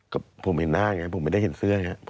ก็ผมเห็นหน้าไงผมไม่ได้เห็นเสื้อไง